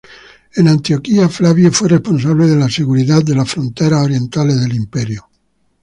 En Antioquía, Flavio fue responsable de la seguridad de las fronteras orientales del imperio.